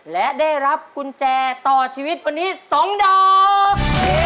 และได้รับกุญแจต่อชีวิตวันนี้๒ดอก